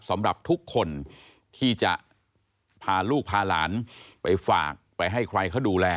สำหรับทุกคนที่จะพาลูกพาหลานไปฝากไปให้ใครเขาดูแล